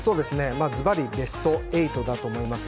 ずばり、ベスト８だと思います。